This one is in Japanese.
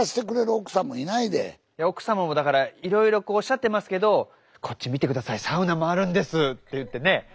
奥様もだからいろいろこうおっしゃってますけどこっち見て下さいサウナもあるんですって言ってね